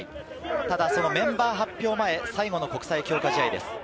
ただメンバー発表前、最後の国際強化試合です。